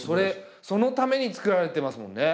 そのために作られてますもんね。